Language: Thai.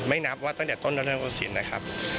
ไม่นับว่าตั้งแต่ต้นแล้วเริ่มกับสินนะครับ